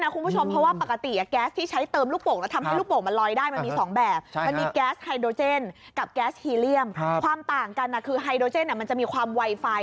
กับแก๊สฮีเรียมความต่างกันคือไฮโดเจนมันจะมีความไวไฟ